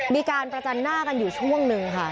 มีการประจันหน้ากันอยู่ช่วงหนึ่งค่ะ